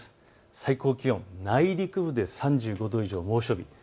最高気温、内陸部で３５度以上、猛暑日。